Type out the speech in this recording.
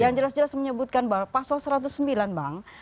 yang jelas jelas menyebutkan bahwa pasal satu ratus sembilan bang